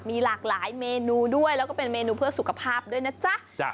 มีหลากหลายเมนูด้วยแล้วก็เป็นเมนูเพื่อสุขภาพด้วยนะจ๊ะ